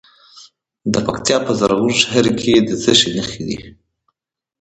د پکتیکا په زرغون شهر کې د څه شي نښې دي؟